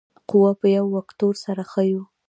قوه په یو وکتور سره ښیو.